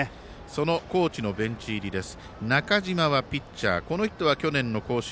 その高知のベンチ入りです。